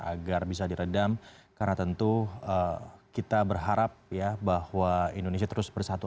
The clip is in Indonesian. agar bisa diredam karena tentu kita berharap ya bahwa indonesia terus bersatu